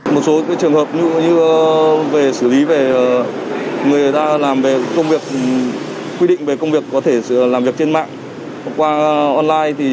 một số trường hợp như sử lý về người ta làm về công việc quy định về công việc có thể làm việc trên mạng hoặc qua online